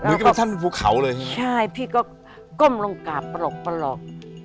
เหมือนกันเป็นท่านปฐูเขาใช่พี่ก็ก้มลงกากปลอกปลอก